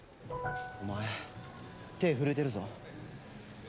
お前手震えてるぞ。